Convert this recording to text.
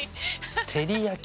照り焼き。